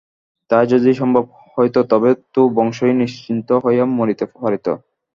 তাই যদি সম্ভব হইত তবে তো বংশী নিশ্চিন্ত হইয়া মরিতে পারিত।